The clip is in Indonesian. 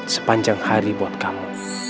sepanjang hari buat kamu